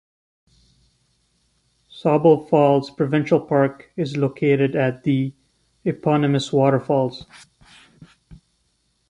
Sauble Falls Provincial Park is located at the eponymous waterfalls.